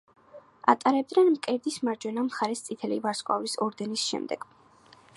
ატარებდნენ მკერდის მარჯვენა მხარეს, წითელი ვარსკვლავის ორდენის შემდეგ.